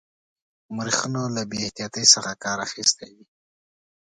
مورخینو له بې احتیاطی څخه کار اخیستی وي.